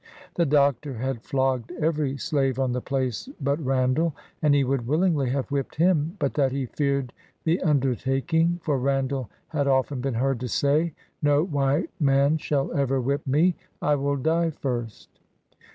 The Doctor had flogged every slave on the place but Randall, and he would willingly have whipped him, but that he feared the undertaking, for Eandall had often been heard to say, "No white man shall ever BIOGRAPHY OF whip me; I will die first.'